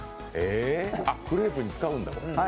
クレープに使うんだ。